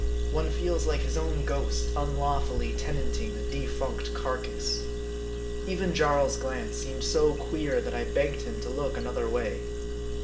One feels like his own ghost unlaw fully tenanting a defunct carcass. Even Jarl's glance seemed so queer, that I begged him to look another way.